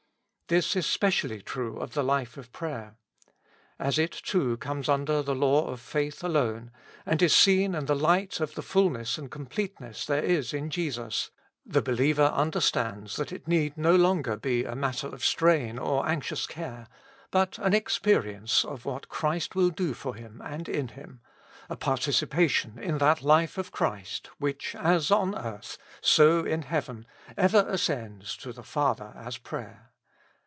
This is specially true of the life of prayer. As it too comes under the law of faith alone, and is seen in the light of the fulness and completeness there is in Jesus, the believer understands that it need no longer be a matter of strain or anxious care, but an experience of what Christ will do for him and in him — a participation in that life of Christ which, as on 14 209 With Christ in the School of Prayer. earth , so in heaven, ever ascends to the Father as prayer.